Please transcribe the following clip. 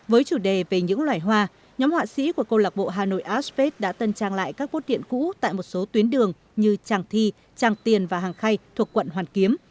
với chủ đề về những loài hoa nhóm họa sĩ của câu lạc bộ hà nội asfpad đã tân trang lại các bốt điện cũ tại một số tuyến đường như tràng thi tràng tiền và hàng khay thuộc quận hoàn kiếm